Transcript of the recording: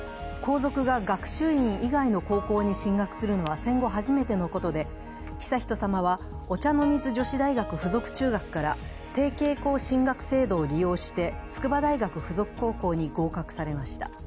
皇族が学習院以外の高校に進学するのは戦後初めてのことで、悠仁さまは、お茶の水女子大学附属中学から提携校進学制度を利用して、筑波大学附属高校に合格されました。